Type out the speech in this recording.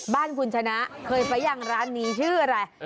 บ้านคุณชนะเคยไปยังร้านนี้ชื่ออะไร